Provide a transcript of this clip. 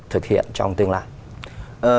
thực hiện trong tương lai